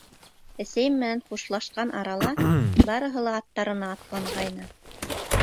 Әсәйем менән хушлашҡан арала барыһы ла аттарына атланғайны.